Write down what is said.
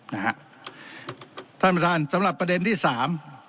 นะฮะท่านประธานสำหรับประเด็นที่สาม